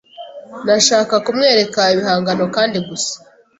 Nashaka kumwereka ibihangano kandi gusa